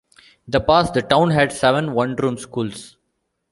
In the past, the town had seven one-room schools.